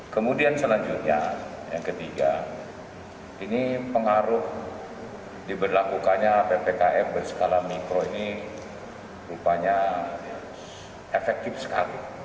kemudian selanjutnya yang ketiga ini pengaruh diberlakukannya ppkm berskala mikro ini rupanya efektif sekali